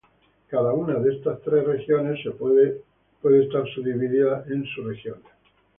Cada una de estas tres regiones puede estar subdividida en subregiones.